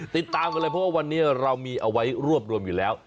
ติดตามกันเลยเพราะว่าวันนี้เรามีเอาไว้รวบรวมอยู่แล้ว